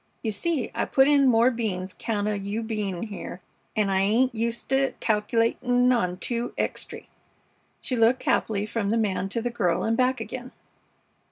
You see, I put in more beans 'count o' you bein' here, an' I ain't uset to calca'latin' on two extry." She looked happily from the man to the girl and back again.